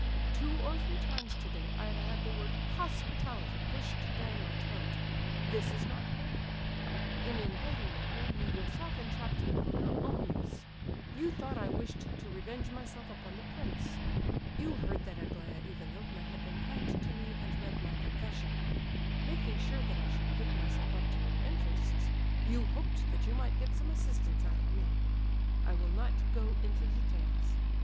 Two or three times to day I have had the word 'hospitality' pushed down my throat; this is not fair. In inviting me here you yourself entrapped me for your own use; you thought I wished to revenge myself upon the prince. You heard that Aglaya Ivanovna had been kind to me and read my confession. Making sure that I should give myself up to your interests, you hoped that you might get some assistance out of me. I will not go into details.